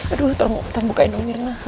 aduh tolong bukain ya mirna